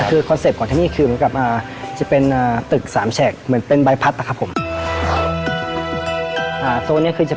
โรงดิจิตนี่ต้องมีห้องพักที่เหมือนกับการเรียนตำแหน่งฮที่นี่